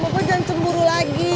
papa jangan cemburu lagi